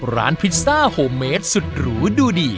ร้านพิซซ่าฮอมเมฆสุดหรูดูดี